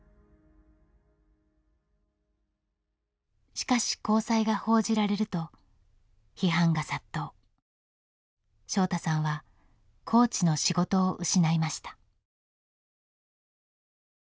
しかし交際が報じられると翔大さんはコーチの仕事を失いました。